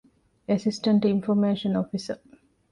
އެެސިސްޓެންޓް އިންފޮމޭޝަން އޮފިސަރ